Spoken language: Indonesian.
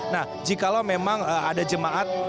nah jika lo memang ada jemaat